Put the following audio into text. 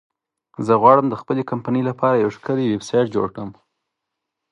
زه غواړم د خپلې کمپنی لپاره یو ښکلی ویبسایټ جوړ کړم